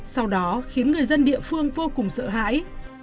sau đó khiến người dân địa phương vô cùng sợ hãi